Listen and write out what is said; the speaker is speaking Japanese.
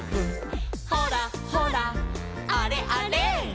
「ほらほらあれあれ」